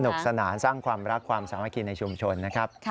สนุกสนานสร้างความรักความสามารถกินในชุมชนนะครับ